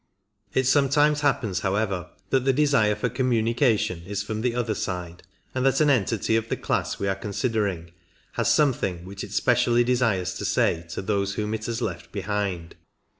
It sometimes happens, however, that the desire for communication is from the other side, and that an entity of the class we are considering has something which it specially desires to say to those whom it has left behind.